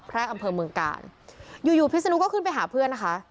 แรกอำเภอเมืองกาลอยู่อยู่พิศนุก็ขึ้นไปหาเพื่อนนะคะ